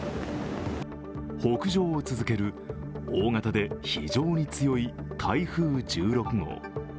北上を続ける大型で非常に強い台風１６号。